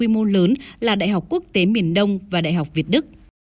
môn lớn là đại học quốc tế miền đông và đại học việt đức